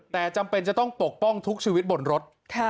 แต่จำเป็นจะต้องปกป้องทุกชีวิตบนรถ